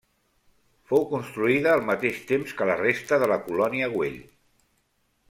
Fou construïda al mateix temps que la resta de la Colònia Güell.